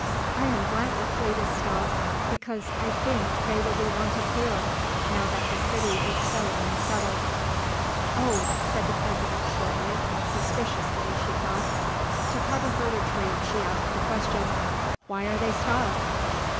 "I am glad the fleet is stopped because I think they will be wanted here, now that the city is so unsettled." "Oh," said the President shortly, suspiciously, she thought. To cover her retreat she asked a question. "Why are they stopped?"